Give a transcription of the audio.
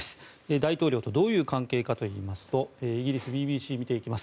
大統領とどういう関係かといいますとイギリス、ＢＢＣ見ていきます。